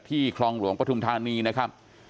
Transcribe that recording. ที่ครองรวงปทุมธานีนะครับ